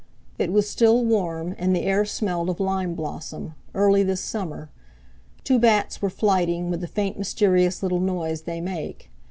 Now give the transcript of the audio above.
It was still warm and the air smelled of lime blossom—early this summer. Two bats were flighting with the faint mysterious little noise they make.